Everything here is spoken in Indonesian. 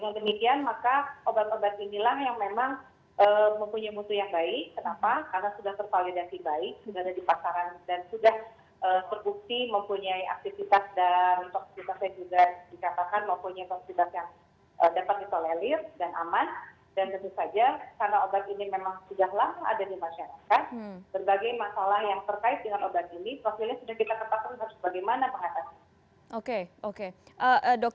dan demikian afiga itu adalah virus yang mempunyai karakteristik yang sama dengan covid sembilan belas